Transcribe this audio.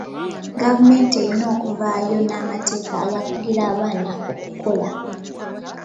Gavumenti erina okuvaayo n'amateeka agakugira abaana okukola.